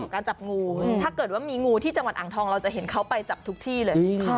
การจับงูถ้าเกิดว่ามีงูที่จังหวัดอ่างทองเราจะเห็นเขาไปจับทุกที่เลย